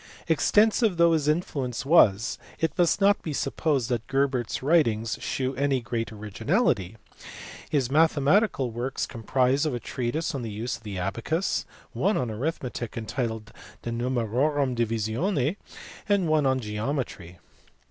Extensive though his influence was, it must not be supposed that Gerbert s writings shew any great originality. His mathe matical works comprise a treatise on the use of the abacus, one on arithmetic entitled De Numerorum Divisione, and one on geometry.